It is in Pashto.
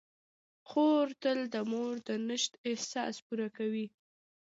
خور تل د مور د نشت احساس پوره کوي.